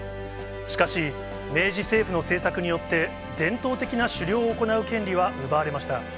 しかし、明治政府の政策によって、伝統的な狩猟を行う権利は奪われました。